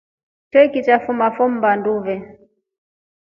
Choiki cha fuma fo mbaa ndwe.